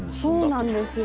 そうなんですよ